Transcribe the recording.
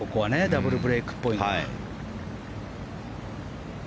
ダブルブレークっぽいのは。